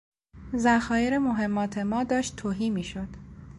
ذخایر مهمات ما داشت تهی میشد.